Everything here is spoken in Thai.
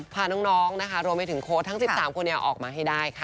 พาน้องรวมักดิ์โครตทั้ง๑๓คนออกมาให้ได้